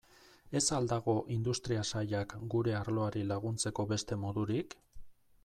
Ez al dago Industria Sailak gure arloari laguntzeko beste modurik?